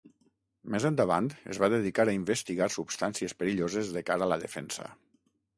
Més endavant, es va dedicar a investigar substàncies perilloses de cara a la defensa.